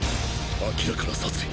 明らかな殺意！